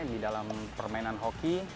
di dalam permainan hoki